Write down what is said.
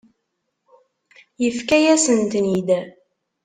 Yefka-yasen-ten-id.